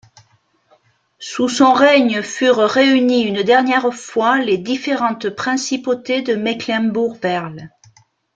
Sous son règne furent réunies une dernière fois les différentes principautés de Mecklembourg-Werle.